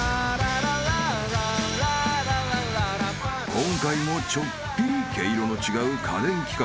［今回もちょっぴり毛色の違う家電企画］